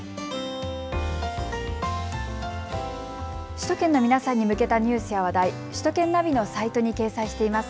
首都圏の皆さんに向けたニュースや話題、首都圏ナビのサイトに掲載しています。